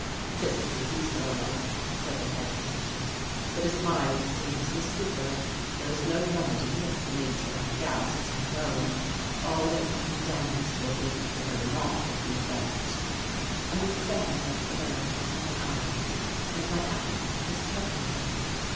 "Physically he is normal," said the head physician, "but his mind seems in a stupor. There is no remedy, as the nature of the gas is unknown. All that can be done is to await the wearing off of the effect." I was then left alone for some hours and my appetite was troubling me.